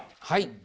はい。